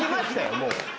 もう。